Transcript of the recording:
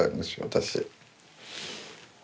私。